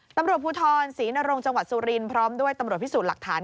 ตำรวจภูทรศรีนรงจังหวัดสุรินทร์พร้อมด้วยตำรวจพิสูจน์หลักฐาน